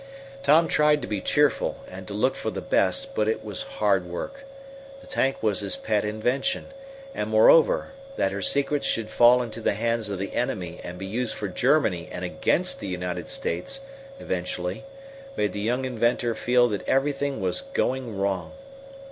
Tom tried to be cheerful and to look for the best, but it was hard work. The tank was his pet invention, and, moreover, that her secrets should fall into the hands of the enemy and be used for Germany and against the United States eventually, made the young inventor feel that everything was going wrong.